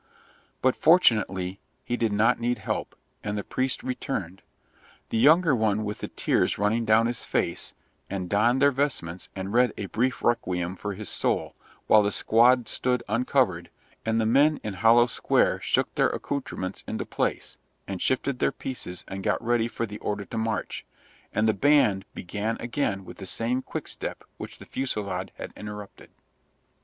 But, fortunately, he did not need help, and the priests returned the younger one with the tears running down his face and donned their vestments and read a brief requiem for his soul, while the squad stood uncovered, and the men in hollow square shook their accoutrements into place, and shifted their pieces and got ready for the order to march, and the band began again with the same quickstep which the fusillade had interrupted.